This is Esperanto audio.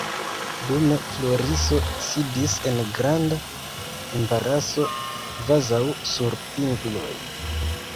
Dume Floriso sidis en granda embaraso, kvazaŭ sur pingloj.